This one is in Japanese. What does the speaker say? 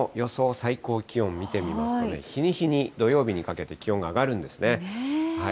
最高気温見てみますと、日に日に土曜日にかけて、気温が上がるんですね。